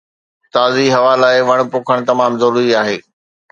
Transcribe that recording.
تازي هوا لاءِ وڻ پوکڻ تمام ضروري آهي